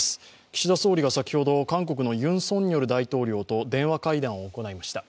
岸田総理が先ほど韓国のユン・ソンニョル大統領と電話会談を行いました。